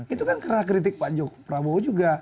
itu kan karena kritik pak prabowo juga